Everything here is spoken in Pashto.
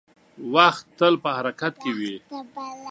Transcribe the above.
• وخت تل په حرکت کې وي.